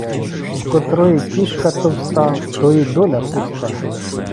В котрої кіска товста, в тої доля пуста.